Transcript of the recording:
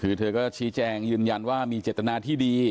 คือเธอก็ชี้แจงยืนยันว่ามีเจตนาที่ดี